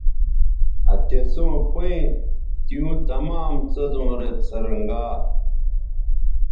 آ تِسوں پیئں تیوں تمام څیزوں رے څھنرگا